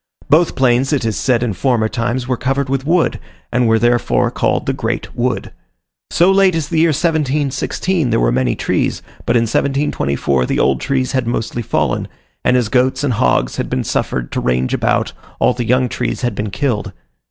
Both plains, it is said in former times were covered with wood, and were therefore called the Great Wood. So late as the year 1716 there were many trees, but in 1724 the old trees had mostly fallen; and as goats and hogs had been suffered to range about, all the young trees had been killed.